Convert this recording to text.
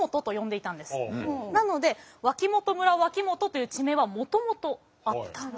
なので脇本村脇本という地名はもともとあった。